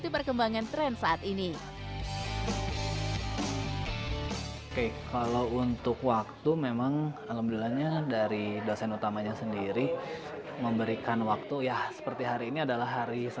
ya kita sangat membuka sih